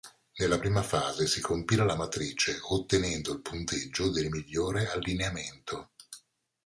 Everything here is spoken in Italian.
Nella prima fase si compila la matrice ottenendo il punteggio del migliore allineamento.